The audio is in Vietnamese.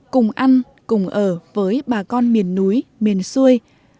cùng ăn cùng ở với bà con miền núi miền xuôi